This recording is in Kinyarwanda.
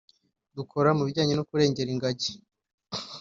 Dukora mu bijyanye no kurengera ingagi